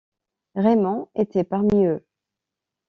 Raymond était parmi eux.